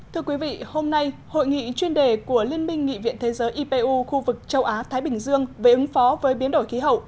thưa quý vị hôm nay hội nghị chuyên đề của liên minh nghị viện thế giới ipu khu vực châu á thái bình dương về ứng phó với biến đổi khí hậu